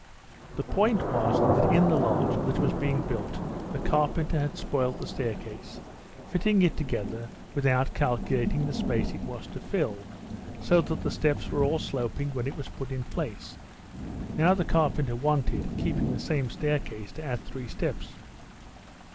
The point was that in the lodge that was being built the carpenter had spoiled the staircase, fitting it together without calculating the space it was to fill, so that the steps were all sloping when it was put in place. Now the carpenter wanted, keeping the same staircase, to add three steps.